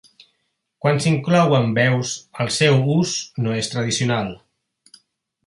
Quan s’inclouen veus, el seu ús no és tradicional.